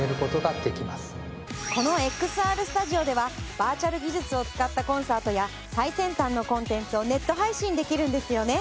このＸＲスタジオではバーチャル技術を使ったコンサートや最先端のコンテンツをネット配信できるんですよね？